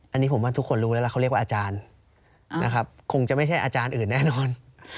อันนี้ผมว่าทุกคนรู้แล้วล่ะเขาเรียกว่าอาจารย์นะครับคงจะไม่ใช่อาจารย์อื่นแน่นอน